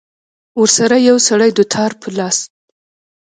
ورسره يو سړى دوتار په لاس.